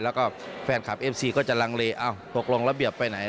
แล้วก็แฟนคลับเอฟซีก็จะลังเล